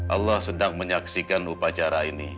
allah sedang menyaksikan upacara ini